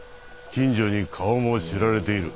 近所に顔も知られている。